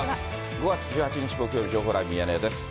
５月１８日木曜日、情報ライブミヤネ屋です。